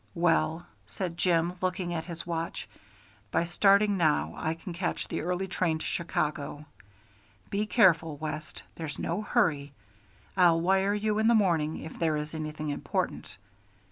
"Well," said Jim, looking at his watch, "by starting now I can catch the early train to Chicago. Be careful, West; there's no hurry. I'll wire you in the morning if there is anything important.